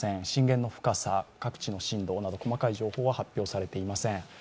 震源の深さ、各地の震度など細かい情報は発表されていません。